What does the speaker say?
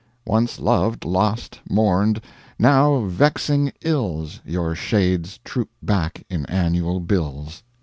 Once loved, lost, mourned now vexing ILLS Your shades troop back in annual bills!